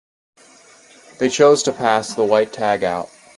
They chose to pass the white tag out.